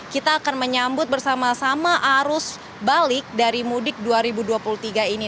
kita akan menyambut bersama sama arus balik dari mudik dua ribu dua puluh tiga ini